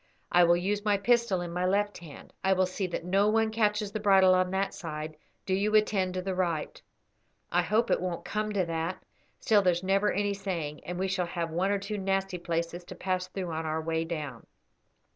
I will use my pistol in my left hand. I will see that no one catches the bridle on that side; do you attend to the right. I hope it won't come to that, still there's never any saying, and we shall have one or two nasty places to pass through on our way down.